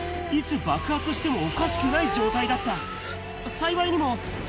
いつ爆発してもおかしくない状態だった。